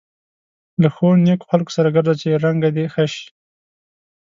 له ښو نېکو خلکو سره ګرځه چې رنګه دې ښه شي.